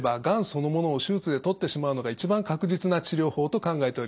そのものを手術で取ってしまうのが一番確実な治療法と考えております。